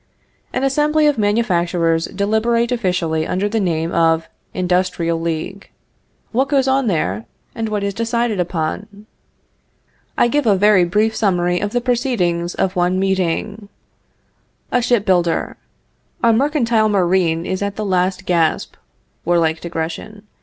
An assembly of manufacturers deliberate officially under the name of Industrial League. What goes on there, and what is decided upon? I give a very brief summary of the proceedings of one meeting: "A Ship builder. Our mercantile marine is at the last gasp (warlike digression).